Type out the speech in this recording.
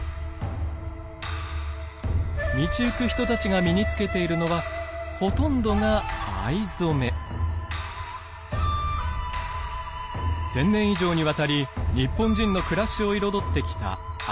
道行く人たちが身に着けているのはほとんどが１，０００年以上にわたり日本人の暮らしを彩ってきた藍。